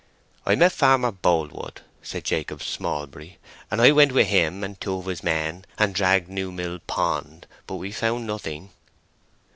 "I met Farmer Boldwood," said Jacob Smallbury, "and I went with him and two of his men, and dragged Newmill Pond, but we found nothing."